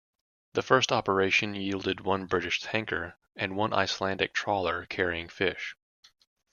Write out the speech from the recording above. This first operation yielded one British tanker and one Icelandic trawler carrying fish.